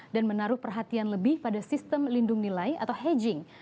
dan menaruh perhatian lebih pada sistem lindung nilai atau hedging